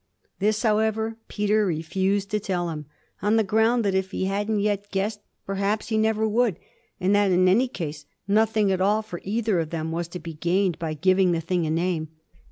This, however, Peter refused to tell him on the ground that if he hadn't yet guessed perhaps he never would, and that in any case nothing at all for either of them was to be gained by giving the thing a name.